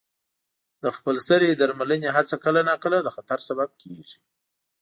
د خپل سرې درملنې هڅه کله ناکله د خطر سبب کېږي.